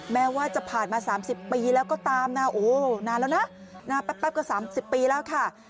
แม่ว่าจะผ่านมาสามสิบปีแล้วก็ตามนะโหนานแล้วนะแป๊บก็สามสิบปีแล้วค่ะ